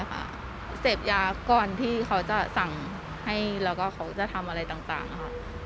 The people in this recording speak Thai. เสพยาก่อนที่เขาจะสั่งให้แล้วก็เขาจะทำอะไรต่างค่ะ